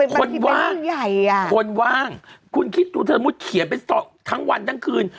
คนว่างคนว่างคุณคิดดูเธอมุติเขียนเป็นทั้งวันทั้งคืน